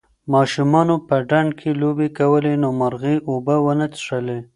ماشومانو په ډنډ کې لوبې کولې نو مرغۍ اوبه ونه څښلې.